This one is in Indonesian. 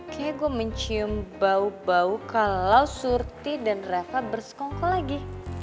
kayaknya gue mencium bau bau kalau surti dan reva bersekongkel lagi